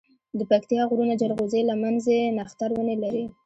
دپکتيا غرونه جلغوزي، لمنځی، نښتر ونی لری